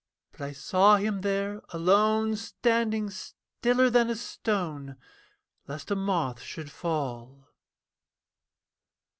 But I saw him there alone, Standing stiller than a stone Lest a moth should fall.